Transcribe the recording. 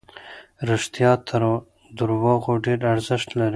رښتیا تر درواغو ډېر ارزښت لري.